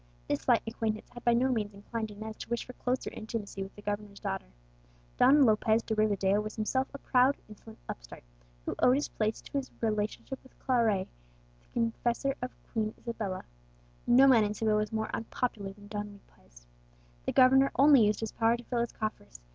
This slight acquaintance had by no means inclined Inez to wish for closer intimacy with the governor's daughter. Don Lopez de Rivadeo was himself a proud insolent upstart, who owed his place to his relationship to Claret, the confessor of Queen Isabella. No man in Seville was more unpopular than Don Lopez. The governor only used his power to fill his coffers.